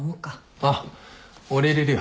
あっ俺入れるよ。